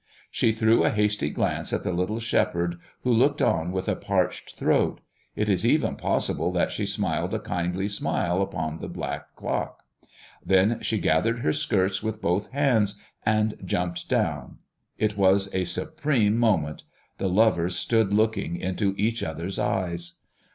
She threw a hasty glance at the little shepherd, who looked on with a parched throat; it is even possible that she smiled a kindly smile upon the black clock. Then she gathered her skirts with both hands and jumped down. It was a supreme moment. The lovers stood looking into each other's eyes.